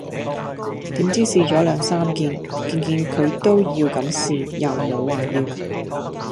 點知試左兩三件，件件佢都要咁試又無話要